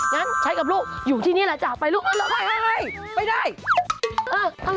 งั้นฉันกับลูกอยู่ที่นี่ล่ะจ๊ะไปลูก